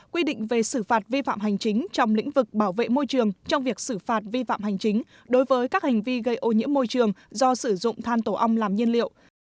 quy định về xử phạt vi phạm hành chính trong lĩnh vực bảo vệ môi trường trong việc xử phạt vi phạm hành chính đối với các hành vi gây ô nhiễm môi trường do sử dụng than tổ ong làm nhiên liệu